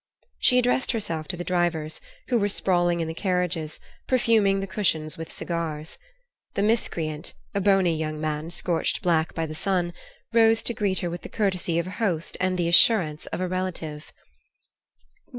She addressed herself to the drivers, who were sprawling in the carriages, perfuming the cushions with cigars. The miscreant, a bony young man scorched black by the sun, rose to greet her with the courtesy of a host and the assurance of a relative.